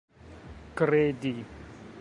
kredi